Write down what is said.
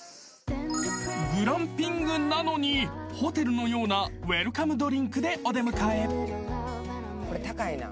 ［グランピングなのにホテルのようなウエルカムドリンクでお出迎え］